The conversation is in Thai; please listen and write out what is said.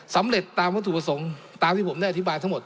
สำเร็จตามวัตถุประสงค์ตามที่ผมได้อธิบายทั้งหมด